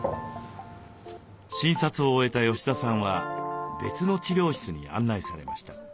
診察を終えた吉田さんは別の治療室に案内されました。